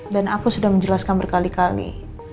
dan aku sudah menjelaskan berkali kali